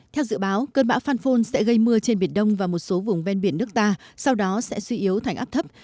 theo dự báo cơn bão phan phôn sẽ gây mưa trên biển đông và một số vùng ven biển nước ta sau đó sẽ suy yếu thành áp thấp